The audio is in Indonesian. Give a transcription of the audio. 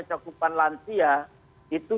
cakupan lansia itu